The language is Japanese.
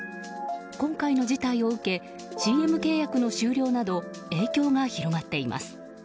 今回の事態を受けＣＭ契約の終了など影響が広がっています。